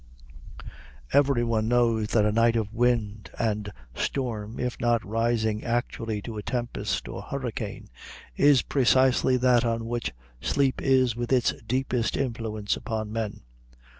Every one knows that a night of wind and storm, if not rising actually to a tempest or hurricane, is precisely that on which sleep is with its deepest influence upon men.